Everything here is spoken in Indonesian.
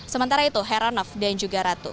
sementara itu heranov dan juga ratu